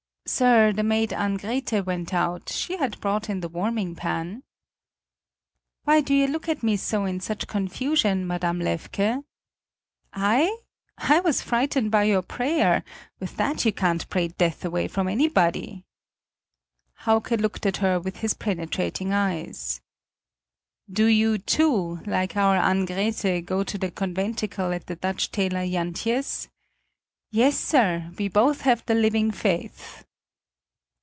"Sir, the maid Ann Grethe went out; she had brought in the warming pan." "Why do you look at me so in such confusion, Madame Levke?" "I? I was frightened by your prayer; with that you can't pray death away from anybody!" Hauke looked at her with his penetrating eyes: "Do you, too, like our Ann Grethe, go to the conventicle at the Dutch tailor Jantje's?" "Yes, sir; we both have the living faith!"